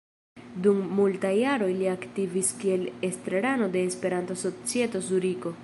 Dum multaj jaroj li aktivis kiel estrarano de Esperanto-Societo Zuriko.